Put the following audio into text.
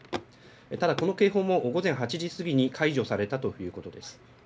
ただこの警報も午前８時過ぎに解除されたということです。